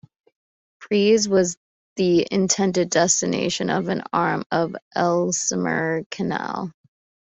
Prees was the intended destination of an arm of the Ellesmere Canal.